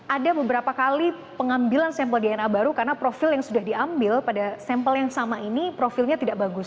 ada beberapa kali pengambilan sampel dna baru karena profil yang sudah diambil pada sampel yang sama ini profilnya tidak bagus